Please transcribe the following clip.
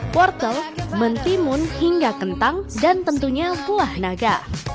wortel mentimun hingga kentang dan tentunya buah naga